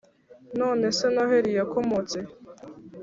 None se Noheli yakomotse he